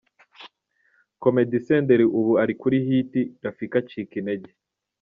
Comedy Senderi ubu ari kuri hit ,Rafiki acika intege.